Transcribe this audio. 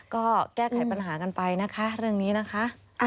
ก็แก้ไขปัญหากันไปนะคะเรื่องนี้นะคะ